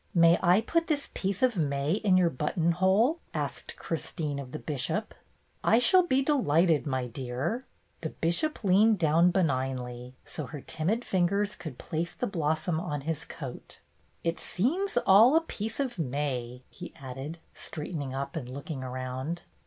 "May I put this piece of May in your but tonhole?" asked Christine of the Bishop. "I shall be delighted, my dear." The 82 BETTY BAIRD'S GOLDEN YEAR Bishop leaned down benignly, so her timid fingers could place the blossom on his coat. "It seems all a piece of May,'' he added, straightening up and looking around.